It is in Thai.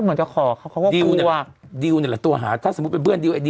เหมือนจะเป็นคนไต้หวันมั้งนะ